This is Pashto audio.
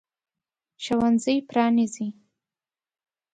ښوونځی پرانیزي.